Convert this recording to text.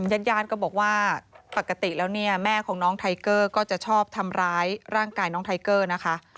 ญาติญาติก็บอกว่าปกติแล้วเนี่ยแม่ของน้องไทเกอร์ก็จะชอบทำร้ายร่างกายน้องไทเกอร์นะคะ